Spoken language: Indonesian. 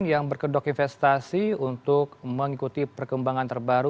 yang berkedok investasi untuk mengikuti perkembangan terbaru